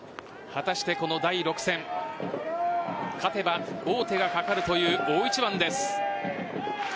果たしてこの第６戦勝てば王手がかかるという大一番です。